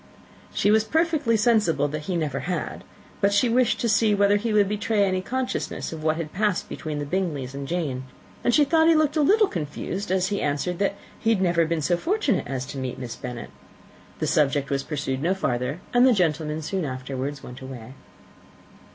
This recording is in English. She was perfectly sensible that he never had: but she wished to see whether he would betray any consciousness of what had passed between the Bingleys and Jane; and she thought he looked a little confused as he answered that he had never been so fortunate as to meet Miss Bennet. The subject was pursued no further, and the gentlemen soon afterwards went away.